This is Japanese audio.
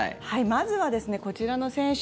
まずはこちらの選手